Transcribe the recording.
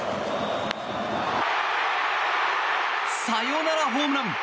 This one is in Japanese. サヨナラホームラン。